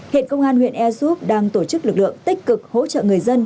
hiện công an huyện air soup đang tổ chức lực lượng tích cực hỗ trợ người dân